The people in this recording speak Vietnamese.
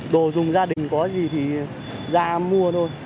đồ dùng gia đình có gì thì ra mua thôi